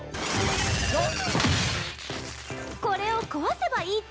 これを壊せばいいっちゃよね。